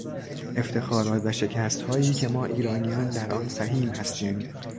افتخارات و شکستهایی که ما ایرانیان در آن سهیم هستیم